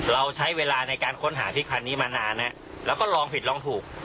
เราใช้เวลาในการค้นหาพริกคันนี้มานานแล้วก็ลองผิดลองถูก